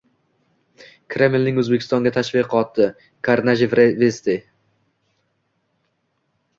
Kremlning O'zʙekistondagi tashviqoti karnaji Vesti